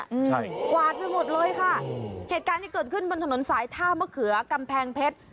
อืมใช่กวาดไปหมดเลยค่ะเหตุการณ์ที่เกิดขึ้นบนถนนสายท่ามะเขือกำแพงเพชร